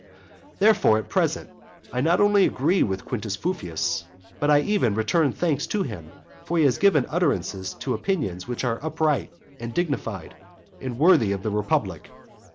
Therefore, at present I not only agree with Quintus Fufius, but I even return thanks to him, for he has given utterance to opinions which are upright, and dignified, and worthy of the republic.